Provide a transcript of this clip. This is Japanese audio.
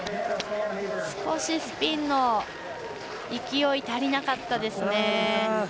少しスピンの勢い足りなかったですね。